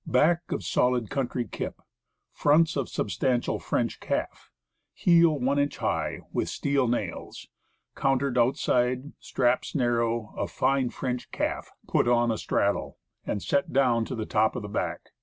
Backs of solid "country kip;" fronts of substantial French calf; heel one inch high, with steel nails; countered outside; straps narrow, of fine French calf put on "astraddle," and set down to the top of the back.